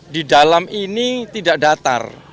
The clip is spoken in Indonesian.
di dalam ini tidak datar